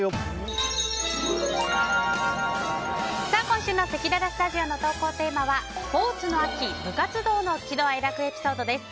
今週のせきららスタジオの投稿テーマはスポーツの秋・部活動の喜怒哀楽エピソードです。